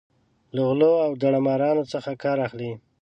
له غلو او داړه مارانو څخه کار اخلي.